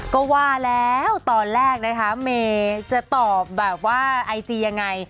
ก็ว่าแล้วตอนแรกนะคะเมย์จะตอบแบบว่าไอจียังไง